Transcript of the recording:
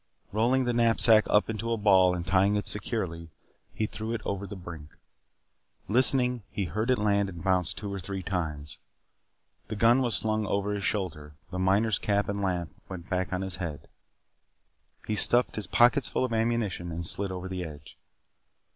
Rolling the knapsack up into a ball and tying it securely, he threw it over the brink. Listening, he heard it land and bounce two or three times. The gun was slung over his shoulder. The miner's cap and lamp went back upon his head. He stuffed his pockets full of ammunition and slid over the edge.